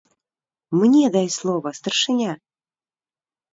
- Мне дай слова, старшыня!